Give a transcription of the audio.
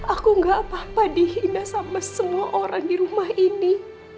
aku gak apa apa dihina sama semua orang di rumah ini